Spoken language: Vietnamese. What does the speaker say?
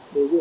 để du khách